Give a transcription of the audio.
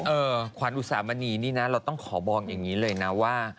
ขวัญอุสามณีนี่นะเราต้องขอบอกอย่างนี้เลยนะว่า